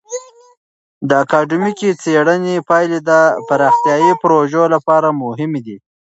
د اکادمیکې څیړنې پایلې د پراختیایي پروژو لپاره مهمې دي.